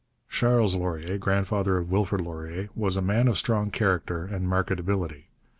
Charles Laurier, grandfather of Wilfrid Laurier, was a man of strong character and marked ability.